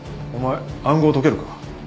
お前暗号解けるか？